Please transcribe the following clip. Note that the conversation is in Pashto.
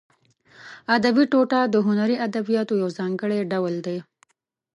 ادبي ټوټه د هنري ادبیاتو یو ځانګړی ډول دی.